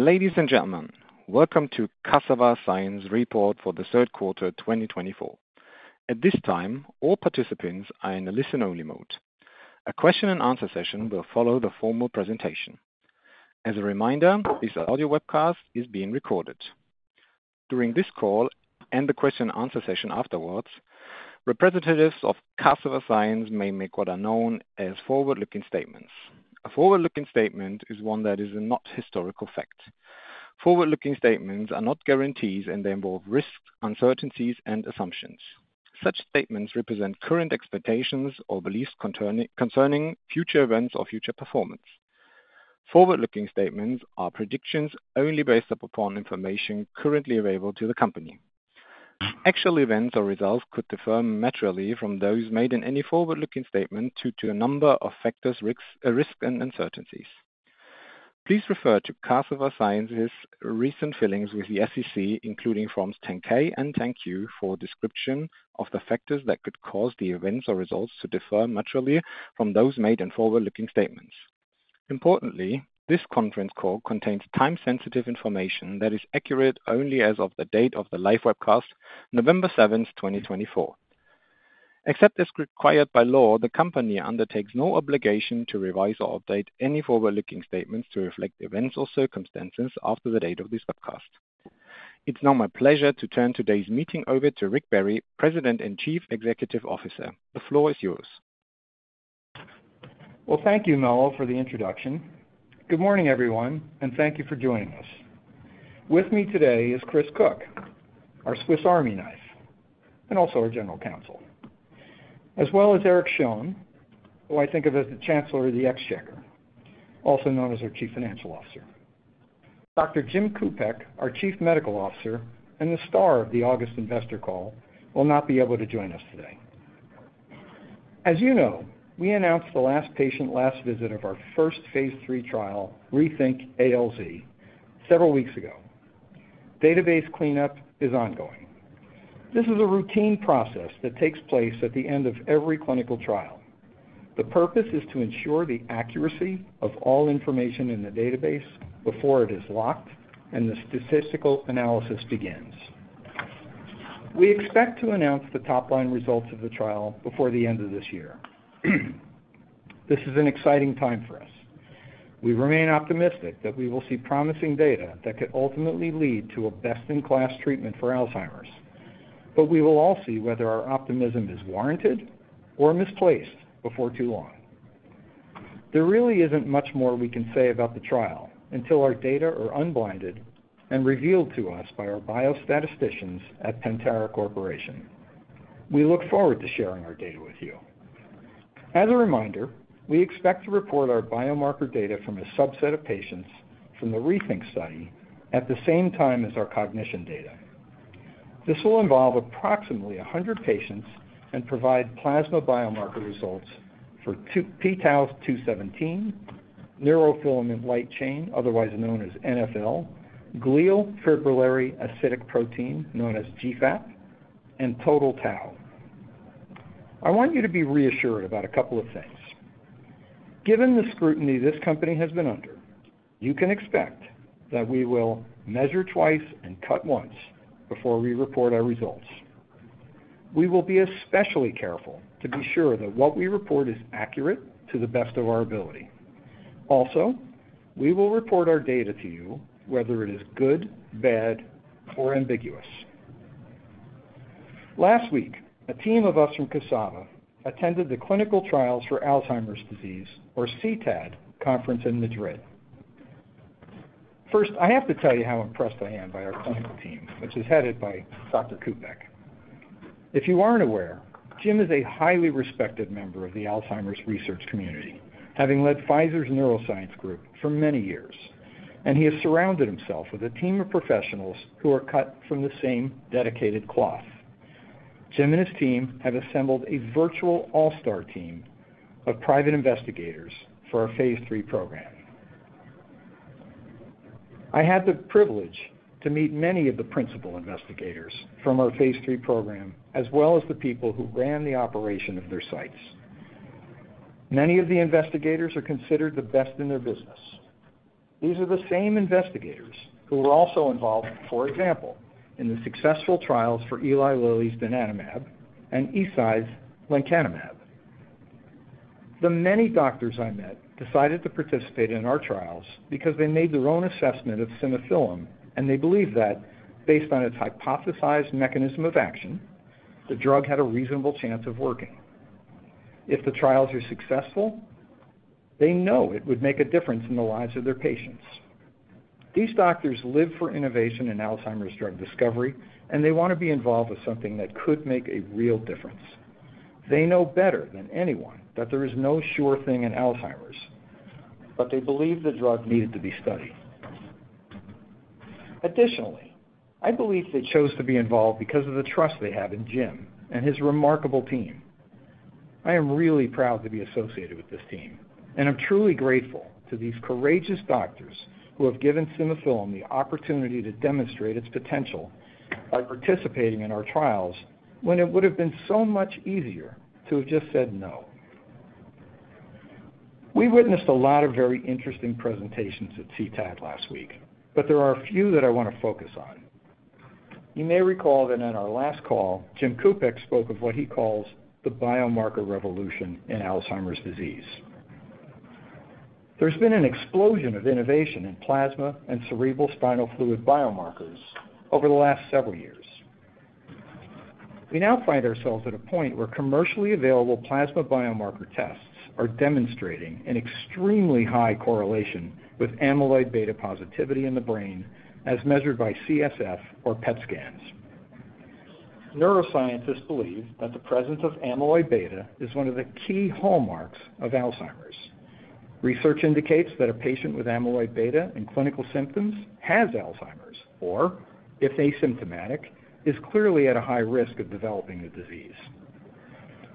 Ladies and gentlemen, welcome to Cassava Sciences' Report for the Third Quarter 2024. At this time, all participants are in a listen-only mode. A question-and-answer session will follow the formal presentation. As a reminder, this audio webcast is being recorded. During this call and the question-and-answer session afterwards, representatives of Cassava Sciences may make what are known as forward-looking statements. A forward-looking statement is one that is not historical fact. Forward-looking statements are not guarantees, and they involve risks, uncertainties, and assumptions. Such statements represent current expectations or beliefs concerning future events or future performance. Forward-looking statements are predictions only based upon information currently available to the company. Actual events or results could differ materially from those made in any forward-looking statement due to a number of factors, risks, and uncertainties. Please refer to Cassava Sciences' recent filings with the SEC, including Forms 10-K and 10-Q, for a description of the factors that could cause the events or results to differ materially from those made in forward-looking statements. Importantly, this conference call contains time-sensitive information that is accurate only as of the date of the live webcast, November 7, 2024. Except as required by law, the company undertakes no obligation to revise or update any forward-looking statements to reflect events or circumstances after the date of this webcast. It's now my pleasure to turn today's meeting over to Rick Barry, President and Chief Executive Officer. The floor is yours. Thank you, Noel, for the introduction. Good morning, everyone, and thank you for joining us. With me today is Chris Cook, our Swiss Army knife, and also our General Counsel, as well as Eric Schoen, who I think of as the Chancellor of the Exchequer, also known as our Chief Financial Officer. Dr. Jim Kupiec, our Chief Medical Officer and the star of the August investor call, will not be able to join us today. As you know, we announced the last patient, last visit of our first phase III trial, RETHINK-ALZ, several weeks ago. Database cleanup is ongoing. This is a routine process that takes place at the end of every clinical trial. The purpose is to ensure the accuracy of all information in the database before it is locked and the statistical analysis begins. We expect to announce the top-line results of the trial before the end of this year. This is an exciting time for us. We remain optimistic that we will see promising data that could ultimately lead to a best-in-class treatment for Alzheimer's, but we will all see whether our optimism is warranted or misplaced before too long. There really isn't much more we can say about the trial until our data are unblinded and revealed to us by our biostatisticians at Pentara Corporation. We look forward to sharing our data with you. As a reminder, we expect to report our biomarker data from a subset of patients from the RETHINK study at the same time as our cognition data. This will involve approximately 100 patients and provide plasma biomarker results for p-tau-217, neurofilament light chain, otherwise known as NfL, glial fibrillary acidic protein, known as GFAP, and total tau. I want you to be reassured about a couple of things. Given the scrutiny this company has been under, you can expect that we will measure twice and cut once before we report our results. We will be especially careful to be sure that what we report is accurate to the best of our ability. Also, we will report our data to you, whether it is good, bad, or ambiguous. Last week, a team of us from Cassava attended the Clinical Trials on Alzheimer's Disease, or CTAD, conference in Madrid. First, I have to tell you how impressed I am by our clinical team, which is headed by Dr. Kupiec. If you aren't aware, Jim is a highly respected member of the Alzheimer's research community, having led Pfizer's neuroscience group for many years, and he has surrounded himself with a team of professionals who are cut from the same dedicated cloth. Jim and his team have assembled a virtual all-star team of principal investigators for our Phase III Program. I had the privilege to meet many of the principal investigators from our Phase III Program, as well as the people who ran the operation of their sites. Many of the investigators are considered the best in their business. These are the same investigators who were also involved, for example, in the successful trials for Eli Lilly's donanemab and Eisai's lecanemab. The many doctors I met decided to participate in our trials because they made their own assessment of simufilam, and they believed that, based on its hypothesized mechanism of action, the drug had a reasonable chance of working. If the trials are successful, they know it would make a difference in the lives of their patients. These doctors live for innovation in Alzheimer's drug discovery, and they want to be involved with something that could make a real difference. They know better than anyone that there is no sure thing in Alzheimer's, but they believe the drug needed to be studied. Additionally, I believe they chose to be involved because of the trust they have in Jim and his remarkable team. I am really proud to be associated with this team, and I'm truly grateful to these courageous doctors who have given simufilam the opportunity to demonstrate its potential by participating in our trials when it would have been so much easier to have just said no. We witnessed a lot of very interesting presentations at CTAD last week, but there are a few that I want to focus on. You may recall that in our last call, Jim Kupiec spoke of what he calls the biomarker revolution in Alzheimer's disease. There's been an explosion of innovation in plasma and cerebrospinal fluid biomarkers over the last several years. We now find ourselves at a point where commercially available plasma biomarker tests are demonstrating an extremely high correlation with amyloid beta positivity in the brain, as measured by CSF or PET scans. Neuroscientists believe that the presence of amyloid beta is one of the key hallmarks of Alzheimer's. Research indicates that a patient with amyloid beta and clinical symptoms has Alzheimer's, or if asymptomatic, is clearly at a high risk of developing the disease.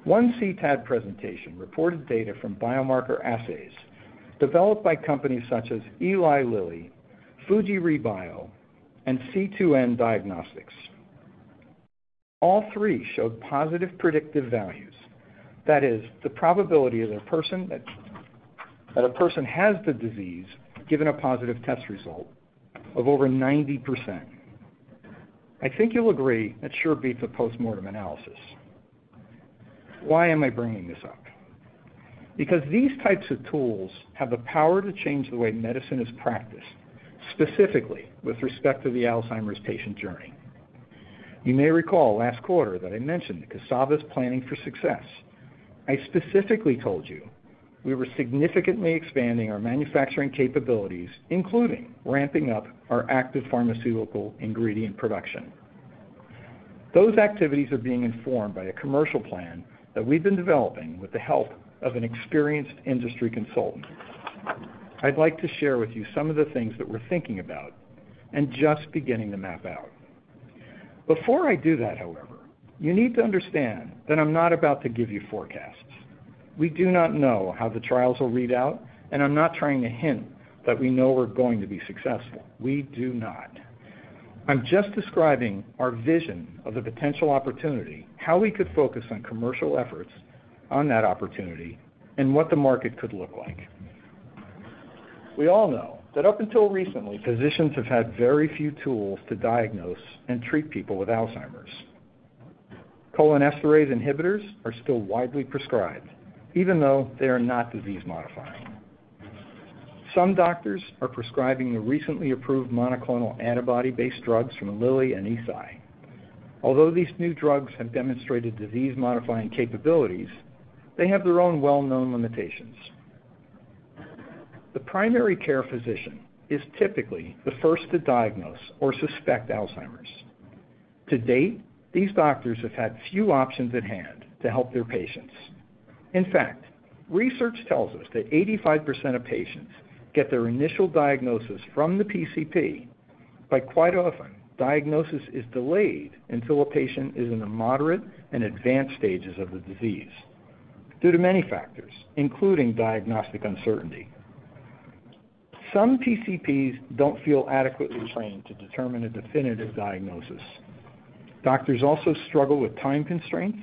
One CTAD presentation reported data from biomarker assays developed by companies such as Eli Lilly, Fujirebio, and C2N Diagnostics. All three showed positive predictive values, that is, the probability that a person has the disease given a positive test result of over 90%. I think you'll agree that it should be the postmortem analysis. Why am I bringing this up? Because these types of tools have the power to change the way medicine is practiced, specifically with respect to the Alzheimer's patient journey. You may recall last quarter that I mentioned Cassava's planning for success. I specifically told you we were significantly expanding our manufacturing capabilities, including ramping up our active pharmaceutical ingredient production. Those activities are being informed by a commercial plan that we've been developing with the help of an experienced industry consultant. I'd like to share with you some of the things that we're thinking about and just beginning to map out. Before I do that, however, you need to understand that I'm not about to give you forecasts. We do not know how the trials will read out, and I'm not trying to hint that we know we're going to be successful. We do not. I'm just describing our vision of the potential opportunity, how we could focus on commercial efforts on that opportunity, and what the market could look like. We all know that up until recently, physicians have had very few tools to diagnose and treat people with Alzheimer's. Cholinesterase inhibitors are still widely prescribed, even though they are not disease-modifying. Some doctors are prescribing the recently approved monoclonal antibody-based drugs from Lilly and Eisai. Although these new drugs have demonstrated disease-modifying capabilities, they have their own well-known limitations. The primary care physician is typically the first to diagnose or suspect Alzheimer's. To date, these doctors have had few options at hand to help their patients. In fact, research tells us that 85% of patients get their initial diagnosis from the PCP, but quite often, diagnosis is delayed until a patient is in the moderate and advanced stages of the disease due to many factors, including diagnostic uncertainty. Some PCPs don't feel adequately trained to determine a definitive diagnosis. Doctors also struggle with time constraints,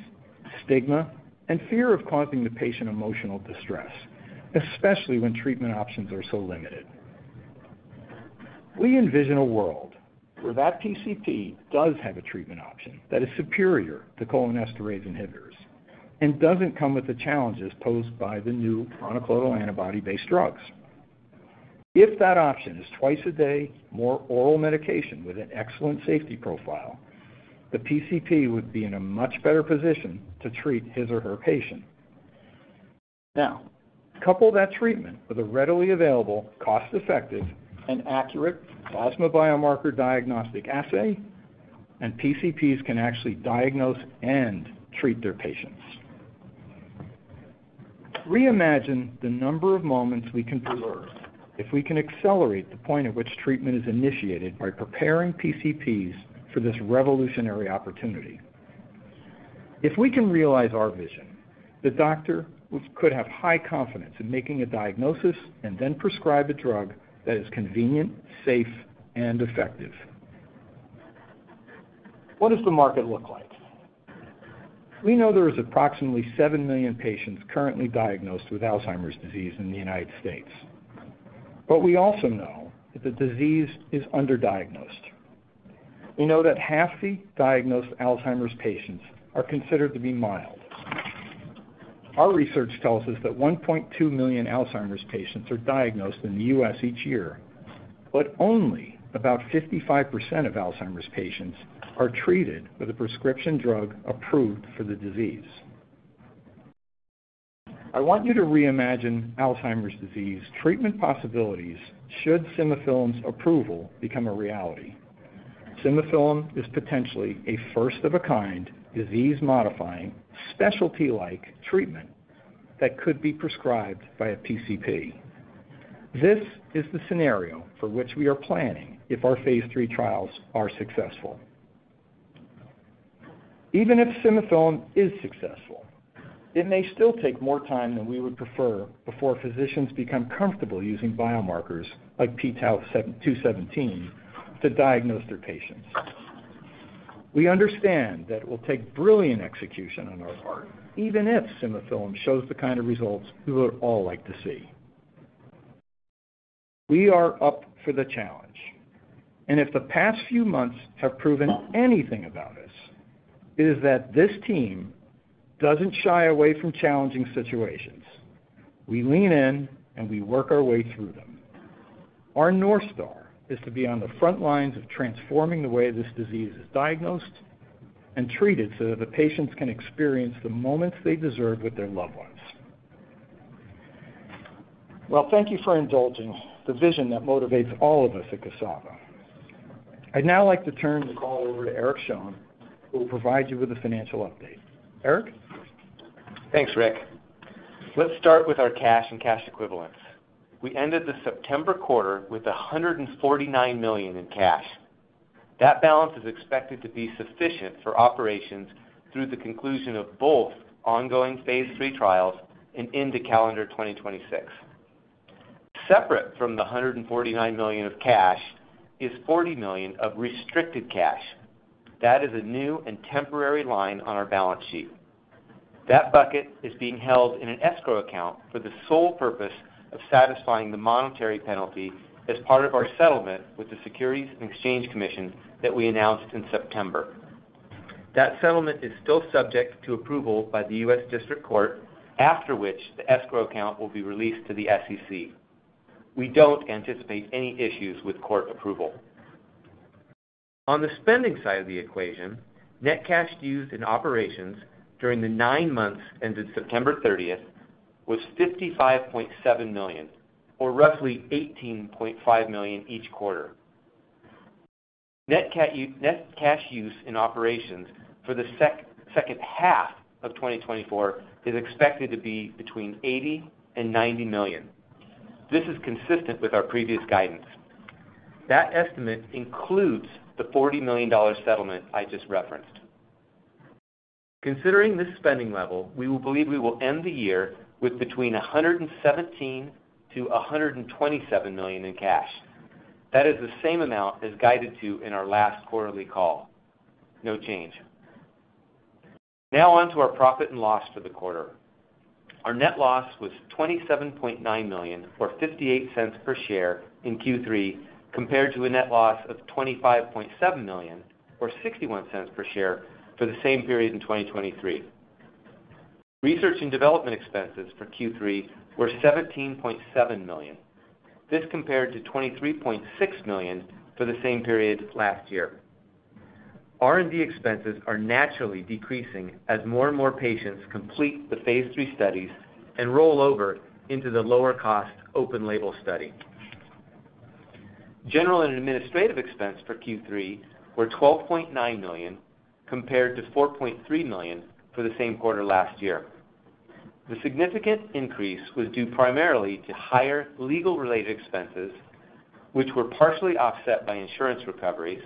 stigma, and fear of causing the patient emotional distress, especially when treatment options are so limited. We envision a world where that PCP does have a treatment option that is superior to cholinesterase inhibitors and doesn't come with the challenges posed by the new monoclonal antibody-based drugs. If that option is twice a day, more oral medication with an excellent safety profile, the PCP would be in a much better position to treat his or her patient. Now, couple that treatment with a readily available, cost-effective, and accurate plasma biomarker diagnostic assay, and PCPs can actually diagnose and treat their patients. Reimagine the number of moments we can preserve if we can accelerate the point at which treatment is initiated by preparing PCPs for this revolutionary opportunity. If we can realize our vision, the doctor could have high confidence in making a diagnosis and then prescribe a drug that is convenient, safe, and effective. What does the market look like? We know there are approximately seven million patients currently diagnosed with Alzheimer's disease in the United States, but we also know that the disease is underdiagnosed. We know that half the diagnosed Alzheimer's patients are considered to be mild. Our research tells us that 1.2 million Alzheimer's patients are diagnosed in the U.S. each year, but only about 55% of Alzheimer's patients are treated with a prescription drug approved for the disease. I want you to reimagine Alzheimer's disease treatment possibilities should simufilam's approval become a reality. Simufilam is potentially a first-of-a-kind disease-modifying, specialty-like treatment that could be prescribed by a PCP. This is the scenario for which we are planning if our phase III trials are successful. Even if simufilam is successful, it may still take more time than we would prefer before physicians become comfortable using biomarkers like p-tau-217 to diagnose their patients. We understand that it will take brilliant execution on our part, even if simufilam shows the kind of results we would all like to see. We are up for the challenge, and if the past few months have proven anything about us, it is that this team doesn't shy away from challenging situations. We lean in, and we work our way through them. Our North Star is to be on the front lines of transforming the way this disease is diagnosed and treated so that the patients can experience the moments they deserve with their loved ones. Well, thank you for indulging the vision that motivates all of us at Cassava. I'd now like to turn the call over to Eric Schoen, who will provide you with a financial update. Eric? Thanks, Rick. Let's start with our cash and cash equivalents. We ended the September quarter with $149 million in cash. That balance is expected to be sufficient for operations through the conclusion of both ongoing phase III trials and into calendar 2026. Separate from the $149 million of cash is $40 million of restricted cash. That is a new and temporary line on our balance sheet. That bucket is being held in an escrow account for the sole purpose of satisfying the monetary penalty as part of our settlement with the Securities and Exchange Commission that we announced in September. That settlement is still subject to approval by the U.S. District Court, after which the escrow account will be released to the SEC. We don't anticipate any issues with court approval. On the spending side of the equation, net cash used in operations during the nine months ended September 30 was $55.7 million, or roughly $18.5 million each quarter. Net cash use in operations for the second half of 2024 is expected to be between $80 and $90 million. This is consistent with our previous guidance. That estimate includes the $40 million settlement I just referenced. Considering this spending level, we will believe we will end the year with between $117-$127 million in cash. That is the same amount as guided to in our last quarterly call. No change. Now on to our profit and loss for the quarter. Our net loss was $27.9 million, or $0.58 per share in Q3, compared to a net loss of $25.7 million, or $0.61 per share for the same period in 2023. Research and development expenses for Q3 were $17.7 million. This compared to $23.6 million for the same period last year. R&D expenses are naturally decreasing as more and more patients complete the phase III studies and roll over into the lower-cost open-label study. General and administrative expenses for Q3 were $12.9 million, compared to $4.3 million for the same quarter last year. The significant increase was due primarily to higher legal-related expenses, which were partially offset by insurance recoveries,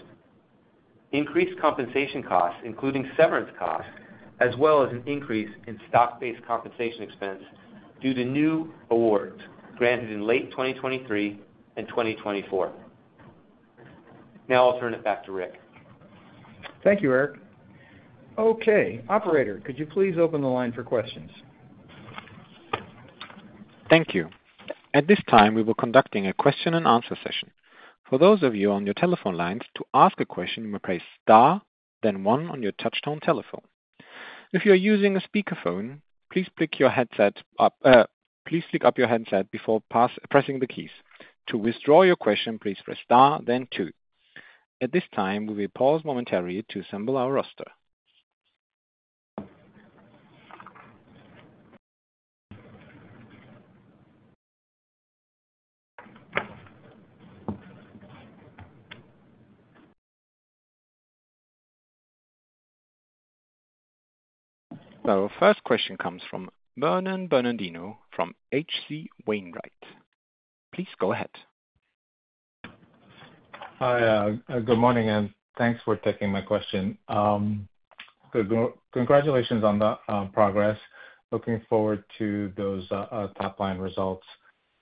increased compensation costs, including severance costs, as well as an increase in stock-based compensation expense due to new awards granted in late 2023 and 2024. Now I'll turn it back to Rick. Thank you, Eric. Okay. Operator, could you please open the line for questions? Thank you. At this time, we will be conducting a question-and-answer session. For those of you on your telephone lines, to ask a question you may press star, then one on your touch-tone telephone. If you are using a speakerphone, please pick your headset up. Please pick up your headset before pressing the keys. To withdraw your question, please press star, then two. At this time, we will pause momentarily to assemble our roster. Our first question comes from Vernon Bernardino from H.C. Wainwright. Please go ahead. Hi. Good morning, and thanks for taking my question. Congratulations on the progress. Looking forward to those top-line results.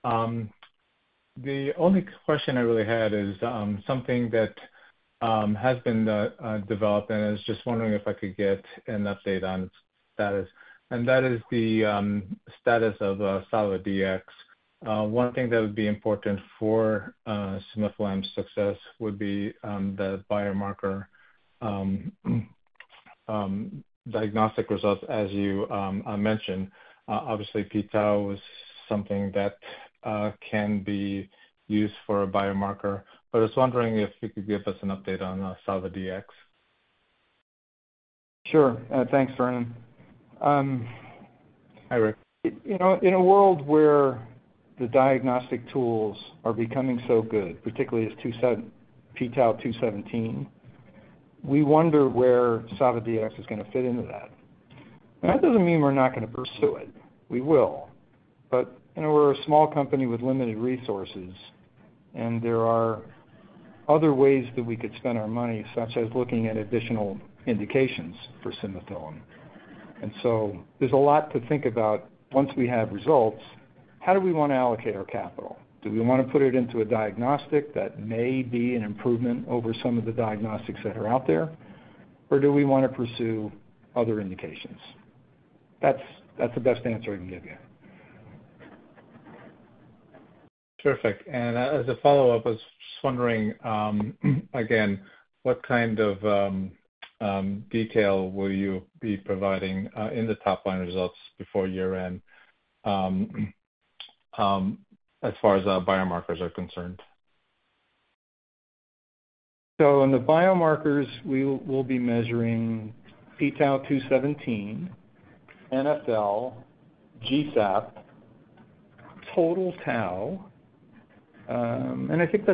The only question I really had is something that has been developed, and I was just wondering if I could get an update on status. And that is the status of Saladax. One thing that would be important for simufilam's success would be the biomarker diagnostic results, as you mentioned. Obviously, p-tau is something that can be used for a biomarker, but I was wondering if you could give us an update on Saladax. Sure. Thanks, Vernon. Hi, Rick. In a world where the diagnostic tools are becoming so good, particularly p-tau-217, we wonder where Saladax is going to fit into that. That doesn't mean we're not going to pursue it. We will. But we're a small company with limited resources, and there are other ways that we could spend our money, such as looking at additional indications for simufilam, and so there's a lot to think about. Once we have results, how do we want to allocate our capital? Do we want to put it into a diagnostic that may be an improvement over some of the diagnostics that are out there, or do we want to pursue other indications? That's the best answer I can give you. Terrific, and as a follow-up, I was just wondering again what kind of detail will you be providing in the top-line results before year-end as far as biomarkers are concerned? So in the biomarkers, we will be measuring p-tau-217, NfL, GFAP, total tau, and I think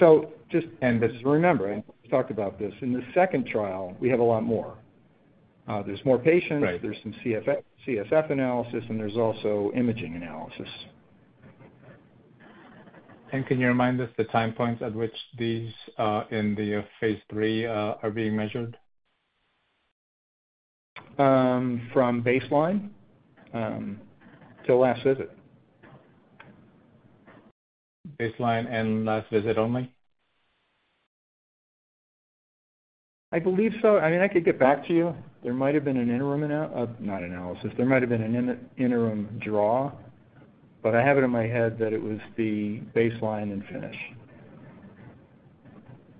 that's it. And this is remembering, we talked about this. In the second trial, we have a lot more. There's more patients, there's some CSF analysis, and there's also imaging analysis. And can you remind us the time points at which these in the phase III are being measured? From baseline to last visit. Baseline and last visit only? I believe so. I mean, I could get back to you. There might have been an interim, not analysis. There might have been an interim draw, but I have it in my head that it was the baseline and finish.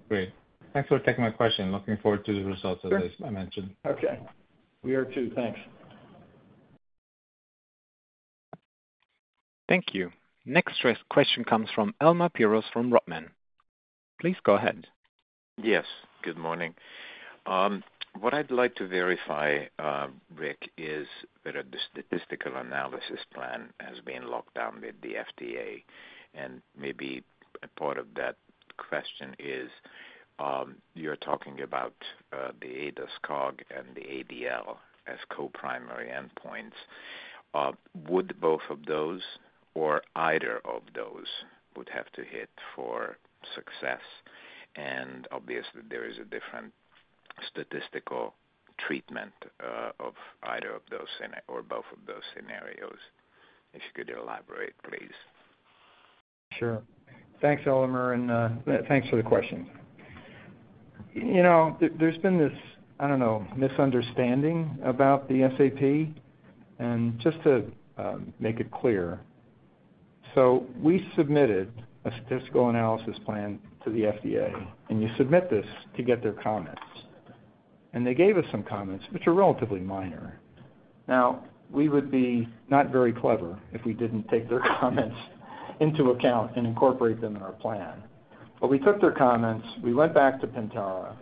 Great. Thanks for taking my question. Looking forward to the results of this I mentioned. Okay. We are too. Thanks. Thank you. Next question comes from Elemer Piros from Rodman. Please go ahead. Yes. Good morning. What I'd like to verify, Rick, is that the statistical analysis plan has been locked down with the FDA, and maybe a part of that question is you're talking about the ADAS-Cog and the ADL as co-primary endpoints. Would both of those or either of those have to hit for success? And obviously, there is a different statistical treatment of either of those or both of those scenarios. If you could elaborate, please. Sure. Thanks, Elemer, and thanks for the question. There's been this, I don't know, misunderstanding about the SAP. And just to make it clear, so we submitted a statistical analysis plan to the FDA, and you submit this to get their comments. And they gave us some comments, which are relatively minor. Now, we would be not very clever if we didn't take their comments into account and incorporate them in our plan. But we took their comments, we went back to Pentara,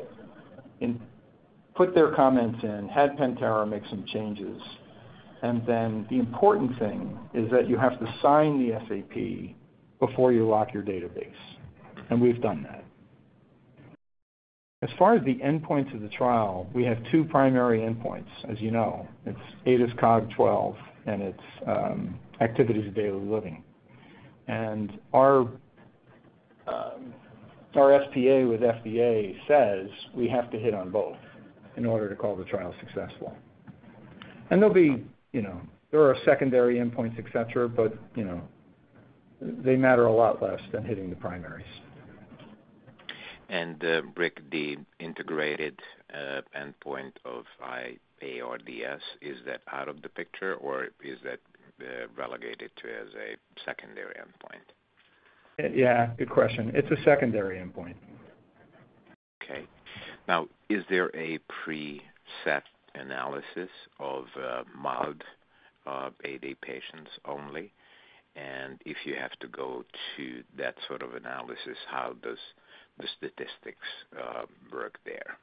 put their comments in, had Pentara make some changes, and then the important thing is that you have to sign the SAP before you lock your database. And we've done that. As far as the endpoints of the trial, we have two primary endpoints, as you know. It's ADAS-Cog12, and it's activities of daily living. And our SPA with FDA says we have to hit on both in order to call the trial successful. And there are secondary endpoints, etc., but they matter a lot less than hitting the primaries. And Rick, the integrated endpoint of iADRS, is that out of the picture, or is that relegated to as a secondary endpoint? Yeah. Good question. It's a secondary endpoint. Okay. Now, is there a pre-specified analysis of mild AD patients only? And if you have to go to that sort of analysis, how does the statistics work there?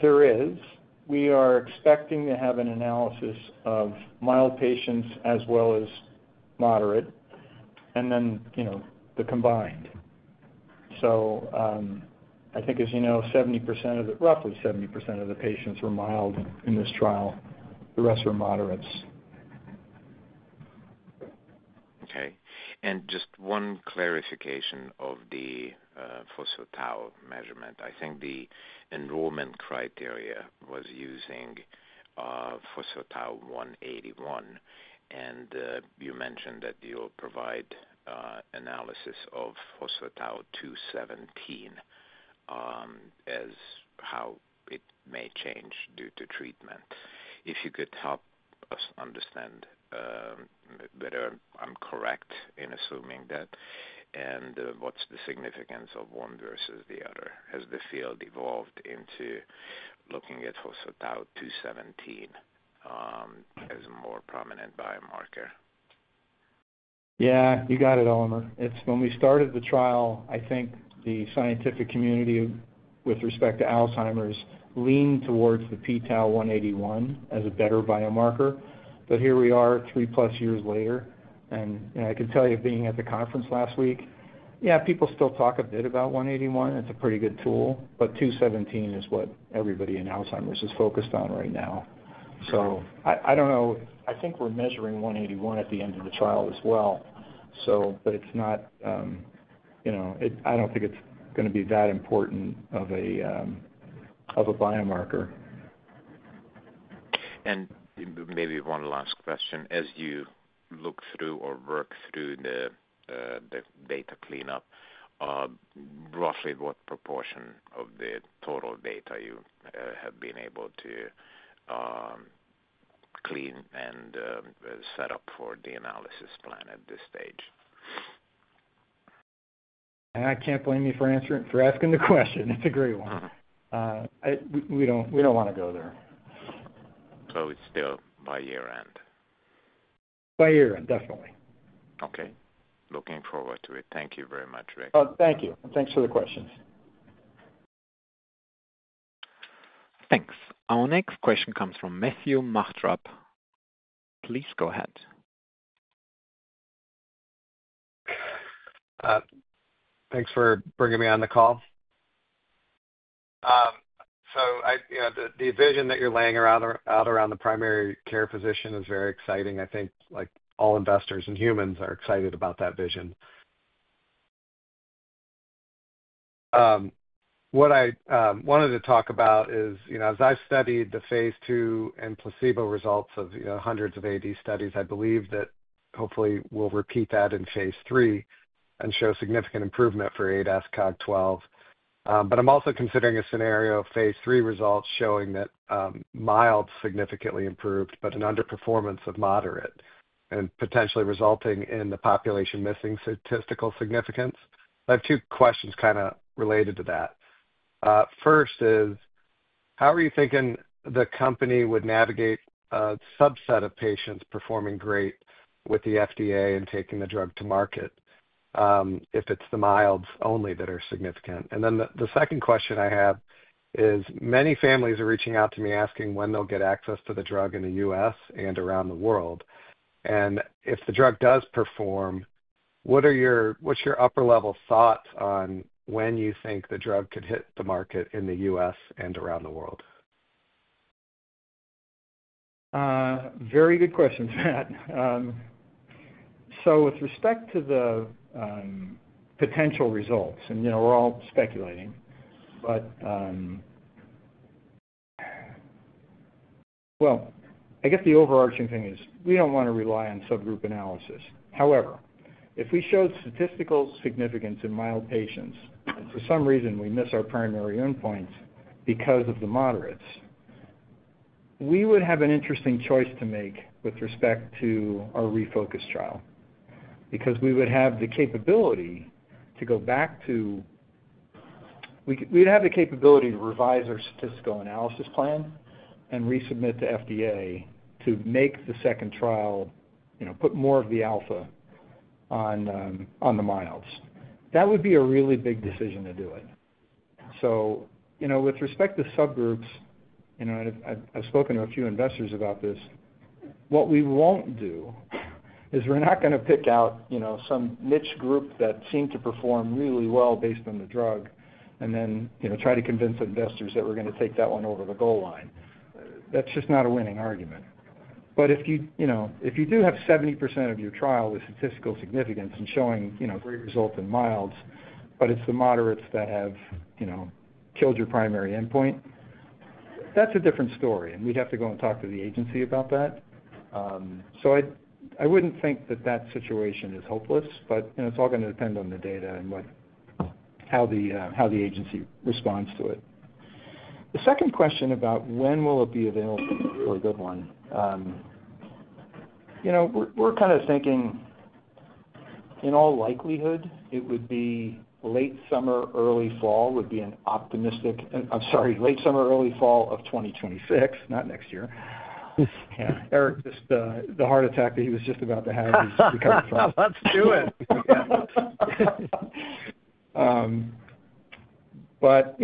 There is. We are expecting to have an analysis of mild patients as well as moderate, and then the combined. So I think, as you know, roughly 70% of the patients were mild in this trial. The rest were moderates. Okay. And just one clarification of the p-tau measurement. I think the enrollment criteria was using p-tau-181, and you mentioned that you'll provide analysis of p-tau-217 as how it may change due to treatment. If you could help us understand whether I'm correct in assuming that, and what's the significance of one versus the other? Has the field evolved into looking at p-tau-217 as a more prominent biomarker? Yeah. You got it, Elemer. When we started the trial, I think the scientific community with respect to Alzheimer's leaned towards the p-tau-181 as a better biomarker. But here we are, three-plus years later, and I can tell you being at the conference last week, yeah, people still talk a bit about 181. It's a pretty good tool, but 217 is what everybody in Alzheimer's is focused on right now. So I don't know. I think we're measuring 181 at the end of the trial as well, but it's not. I don't think it's going to be that important of a biomarker. And maybe one last question. As you look through or work through the data cleanup, roughly what proportion of the total data have you been able to clean and set up for the analysis plan at this stage? I can't blame you for asking the question. It's a great one. We don't want to go there. So it's still by year-end? By year-end, definitely. Okay. Looking forward to it. Thank you very much, Rick. Thank you. And thanks for the questions. Thanks. Our next question comes from Matthew Nachtrab. Please go ahead. Thanks for bringing me on the call. So the vision that you're laying out around the primary care physician is very exciting. I think all investors and humans are excited about that vision. What I wanted to talk about is, as I've studied the phase II and placebo results of hundreds of AD studies, I believe that hopefully we'll repeat that in phase III and show significant improvement for ADAS-Cog12. But I'm also considering a scenario of phase III results showing that mild significantly improved, but an underperformance of moderate, and potentially resulting in the population missing statistical significance. I have two questions kind of related to that. First is, how are you thinking the company would navigate a subset of patients performing great with the FDA and taking the drug to market if it's the milds only that are significant? And then the second question I have is, many families are reaching out to me asking when they'll get access to the drug in the U.S. and around the world. And if the drug does perform, what's your upper-level thoughts on when you think the drug could hit the market in the U.S. and around the world? Very good questions, Matt. So with respect to the potential results, and we're all speculating, but well, I guess the overarching thing is we don't want to rely on subgroup analysis. However, if we showed statistical significance in mild patients, and for some reason we miss our primary endpoints because of the moderates, we would have an interesting choice to make with respect to our REFOCUS trial because we would have the capability to revise our statistical analysis plan and resubmit to FDA to make the second trial put more of the alpha on the milds. That would be a really big decision to do it. With respect to subgroups, and I've spoken to a few investors about this, what we won't do is we're not going to pick out some niche group that seemed to perform really well based on the drug and then try to convince investors that we're going to take that one over the goal line. That's just not a winning argument. But if you do have 70% of your trial with statistical significance and showing great results in milds, but it's the moderates that have killed your primary endpoint, that's a different story. And we'd have to go and talk to the agency about that. So I wouldn't think that that situation is hopeless, but it's all going to depend on the data and how the agency responds to it. The second question about when will it be available is a good one. We're kind of thinking, in all likelihood, it would be late summer, early fall of 2026, not next year. Eric, just the heart attack that he was just about to have is recovering from. Let's do it. But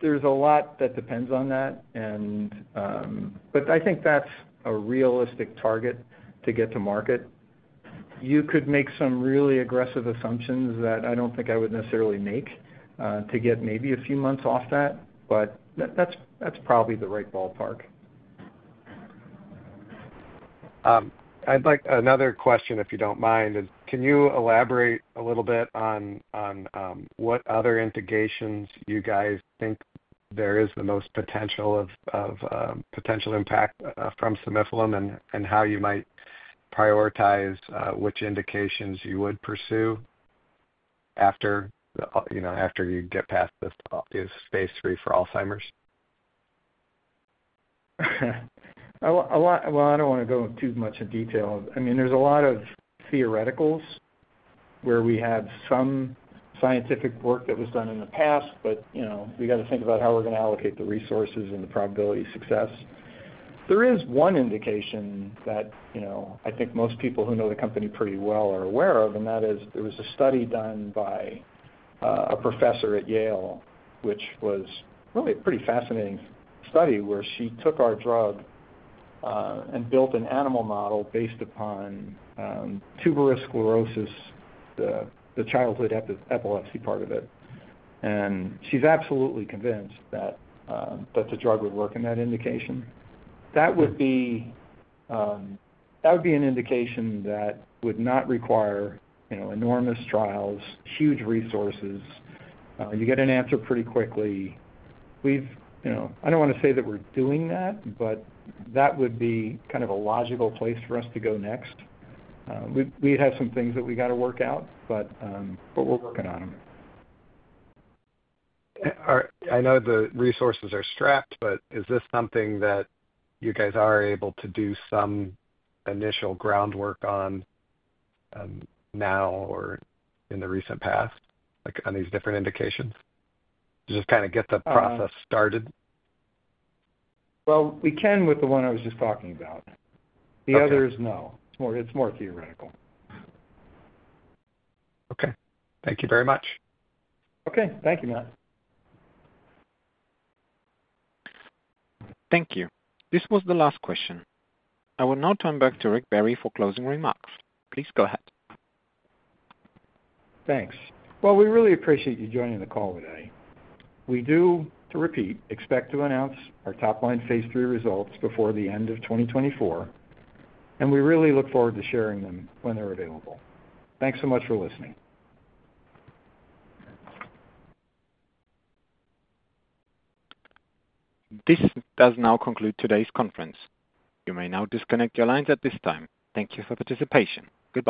there's a lot that depends on that. But I think that's a realistic target to get to market. You could make some really aggressive assumptions that I don't think I would necessarily make to get maybe a few months off that, but that's probably the right ballpark. I'd like another question, if you don't mind. Can you elaborate a little bit on what other indications you guys think there is the most potential impact from simufilam and how you might prioritize which indications you would pursue after you get past this phase III for Alzheimer's? Well, I don't want to go into too much detail. I mean, there's a lot of theoreticals where we have some scientific work that was done in the past, but we got to think about how we're going to allocate the resources and the probability of success. There is one indication that I think most people who know the company pretty well are aware of, and that is there was a study done by a professor at Yale, which was really a pretty fascinating study where she took our drug and built an animal model based upon tuberous sclerosis, the childhood epilepsy part of it, and she's absolutely convinced that the drug would work in that indication. That would be an indication that would not require enormous trials, huge resources. You get an answer pretty quickly. I don't want to say that we're doing that, but that would be kind of a logical place for us to go next. We have some things that we got to work out, but we're working on them. I know the resources are strapped, but is this something that you guys are able to do some initial groundwork on now or in the recent past on these different indications? Just kind of get the process started. Well, we can with the one I was just talking about. The others, no. It's more theoretical. Okay. Thank you very much. Okay. Thank you, Matt. Thank you. This was the last question. I will now turn back to Rick Barry for closing remarks. Please go ahead. Thanks. Well, we really appreciate you joining the call today. We do, to repeat, expect to announce our top-line phase III results before the end of 2024, and we really look forward to sharing them when they're available. Thanks so much for listening. This does now conclude today's conference. You may now disconnect your lines at this time. Thank you for participation. Goodbye.